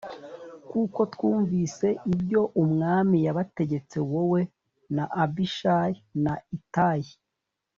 kuko twumvise ibyo umwami yabategetse wowe na abishayi na itayi